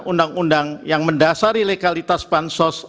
undang undang yang mendasari legalitas pansos